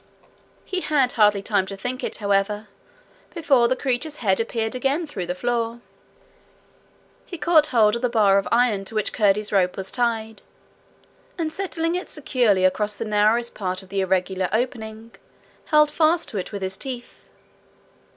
He had hardly time to think it, however, before the creature's head appeared again through the floor. He caught hold of the bar of iron to which Curdie's rope was tied, and settling it securely across the narrowest part of the irregular opening, held fast to it with his teeth.